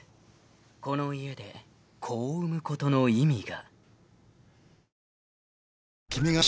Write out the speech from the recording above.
［この家で子を産むことの意味が］